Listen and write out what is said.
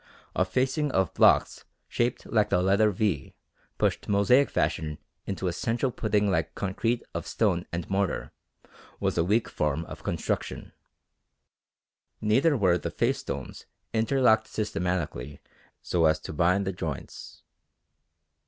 A facing of blocks shaped like the letter V pushed mosaic fashion into a central pudding like concrete of stone and mortar was a weak form of construction. Neither were the face stones interlocked systematically so as to bind the joints.